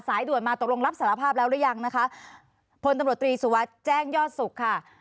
สายด่วนมาตกลงรับสารภาพแล้วหรือยังนะคะพลตำรวจตรีสุวัสดิ์แจ้งยอดสุขค่ะ